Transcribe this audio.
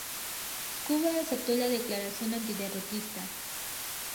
Cuba aceptó la declaración antiterrorista.